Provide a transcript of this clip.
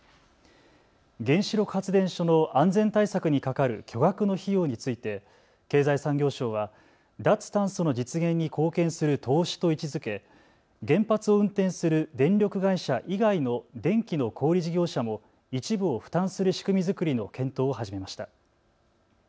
原子力発電所の安全対策にかかる巨額の費用について経済産業省は脱炭素の実現に貢献する投資と位置づけ、原発を運転する電力会社以外の電気の小売り事業者も一部を負担する仕組み作りの検討を始めました。